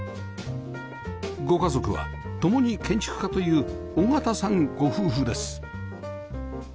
ご家族は共に建築家という緒方さんご夫婦です